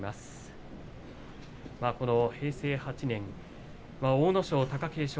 平成８年、阿武咲、貴景勝